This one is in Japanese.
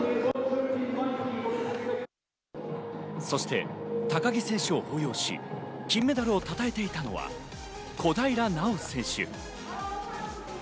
そして、高木選手を抱擁し、金メダルをたたえていたのは小平奈緒選手。